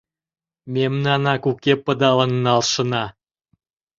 Мемнанак уке пыдалын налшына.